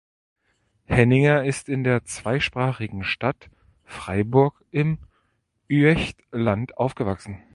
Henninger ist in der zweisprachigen Stadt Freiburg im Üechtland aufgewachsen.